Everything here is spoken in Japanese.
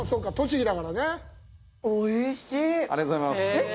ありがとうございます。